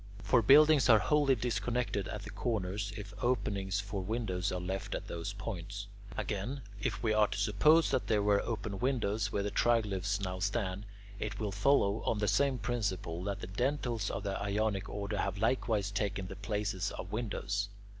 For buildings are wholly disconnected at the corners if openings for windows are left at those points. Again, if we are to suppose that there were open windows where the triglyphs now stand, it will follow, on the same principle, that the dentils of the Ionic order have likewise taken the places of windows.